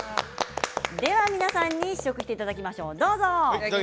皆さんに試食していただきましょう。